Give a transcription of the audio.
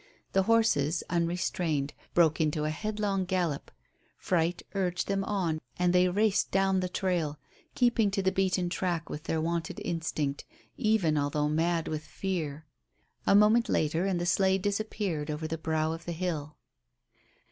The horses, unrestrained, broke into a headlong gallop; fright urged them on and they raced down the trail, keeping to the beaten track with their wonted instinct, even although mad with fear. A moment later and the sleigh disappeared over the brow of the hill.